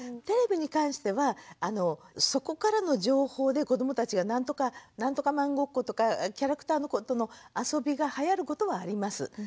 テレビに関してはそこからの情報で子どもたちが何とかマンごっことかキャラクターのことの遊びがはやることはあります。